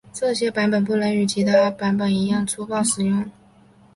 这些版本不能与其他版本一样粗暴使用。